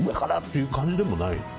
ていう感じでもないです。